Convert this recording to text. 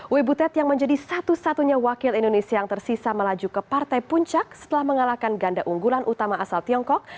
ui butet yang menjadi satu satunya wakil indonesia yang tersisa melaju ke partai puncak setelah mengalahkan ganda unggulan utama asal tiongkok